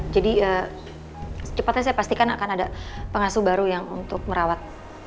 jadi cepatnya saya pastikan akan ada pengasuh baru yang untuk merawat